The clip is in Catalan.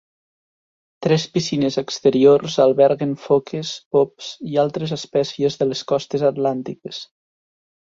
Tres piscines exteriors alberguen foques, pops i altres espècies de les costes atlàntiques.